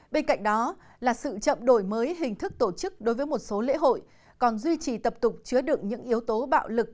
bên cạnh đó là sự chậm đổi mới hình thức tổ chức đối với một số lễ hội còn duy trì tập tục chứa đựng những yếu tố bạo lực